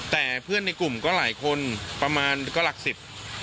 แต่เพื่อนในกลุ่มก็หลายคนประมาณก็หลักสิบ